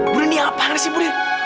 bu ini yang apaan sih bu